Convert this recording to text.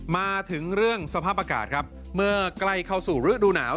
มาถึงเรื่องสภาพอากาศครับเมื่อใกล้เข้าสู่ฤดูหนาว